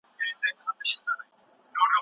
روښانه فکر ناکامي نه زیاتوي.